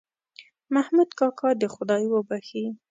محمود کاکا دې خدای وبښې.